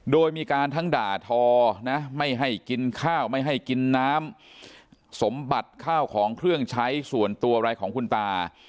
โดยมีการทั้งด่าทอนะไม่ให้กินข้าวไม่ให้กินน้ำสมบัติข้าวของเครื่องใช้ส่วนตัวอะไรของคุณตา